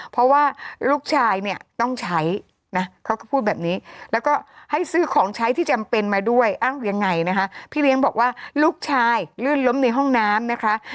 เพราะว่าลูกชายเนี่ยต้องใช้นะเขาก็พูดแบบนี้แล้วก็ให้ซื้อของใช้ที่จำเป็นมาด้วยอ้าวยังไงนะคะพี่เลี้ยงบอกว่าลูกชายลื่นล้มในห้องน้ำนะคะ